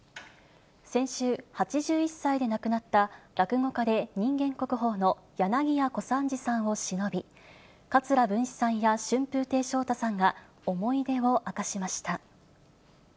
先週、８１歳で亡くなった落語家で人間国宝の柳家小三治さんをしのび、桂文枝さんや春風亭昇太さんが思い出を明かしました。